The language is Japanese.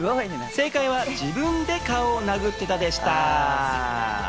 正解は、自分で顔を殴っていたでした。